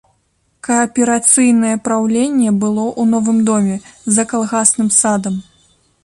Кааперацыйнае праўленне было ў новым доме, за калгасным садам.